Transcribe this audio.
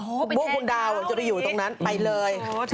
โอ้ไปแทนเถ้าจะไปอยู่ตรงนั้นไปเลย